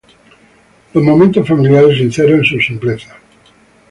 Los momentos familiares, sinceros en su simpleza.